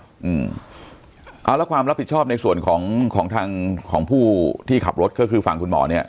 เอาละความรับผิดชอบในส่วนของของทางของผู้ที่ขับรถก็คือฝั่งคุณหมอเนี่ย